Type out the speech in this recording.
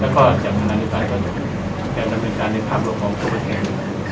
แล้วก็จากธนาฬิกาเกาะดุแต่มันเป็นธนาฬิกาในภาพรวมของทุกประเทศ